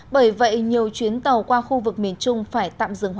bởi vậy nhiều chuyến tàu qua khu vực miền trung phải tạm dừng